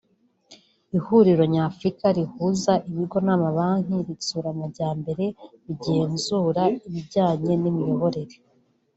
Ihuriro nyafurika rihuza ibigo n’amabanki bitsura amajyambere rigenzura ibijyanye n’imiyoborere